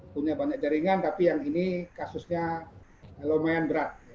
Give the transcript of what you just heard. punya banyak jaringan tapi yang ini kasusnya lumayan berat